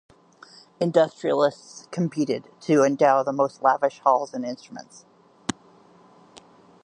Industrialists competed to endow the most lavish halls and instruments.